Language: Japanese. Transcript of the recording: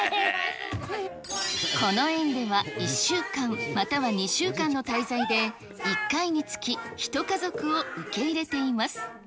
この園では、１週間、または２週間の滞在で、１回につき１家族を受け入れています。